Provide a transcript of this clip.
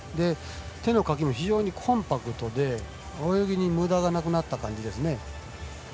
手のかきもコンパクトで泳ぎにむだがなくなった感じです。